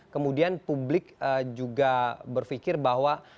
kemudian publik juga berpikir bahwa